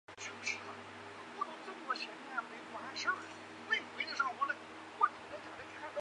贵夫人解释道她联想到一名失踪的歌手。